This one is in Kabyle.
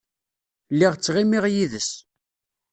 Lliɣ ttɣimiɣ yid-s.